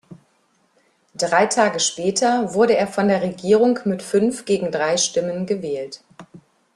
Drei Tage später wurde er von der Regierung mit fünf gegen drei Stimmen gewählt.